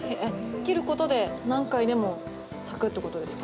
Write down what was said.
切ることで何回でも花が咲くということですか？